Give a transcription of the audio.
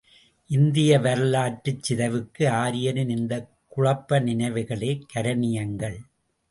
இந்திய வரலாற்றுச் சிதைவுக்கு ஆரியரின் இந்தக் குழப்ப நிலைகளே கரணியங்கள்.